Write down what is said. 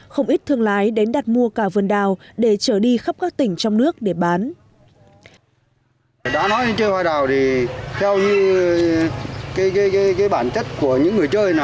không ít thương lái đến đặt mua cả vườn đào để trở đi khắp các tỉnh trong nước để bán